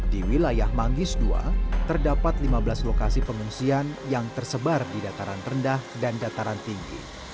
di wilayah mangis ii terdapat lima belas lokasi pengungsian yang tersebar di dataran rendah dan dataran tinggi